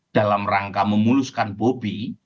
dalam rangka memuluskan bobi